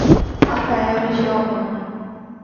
Rafael e Giovanna